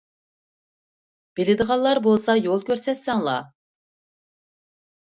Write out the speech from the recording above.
بىلىدىغانلار بولسا يول كۆرسەتسەڭلار.